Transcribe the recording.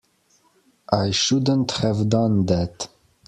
I shouldn't have done that.